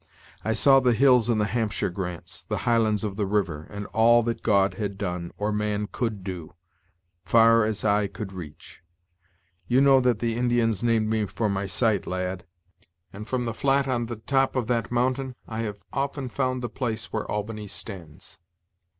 I saw the hills in the Hampshire grants, the highlands of the river, and all that God had done, or man could do, far as eye could reach you know that the Indians named me for my sight, lad; and from the flat on the top of that mountain, I have often found the place where Albany stands.